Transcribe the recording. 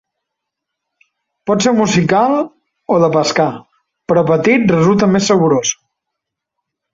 Pot ser musical o de pescar, però petit resulta més saborós.